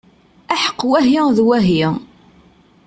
Aḥeqq wahi d wahi!